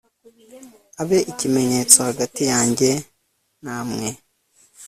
abe ikimenyetso hagati yanjye namwe